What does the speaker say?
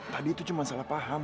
tadi itu cuma salah paham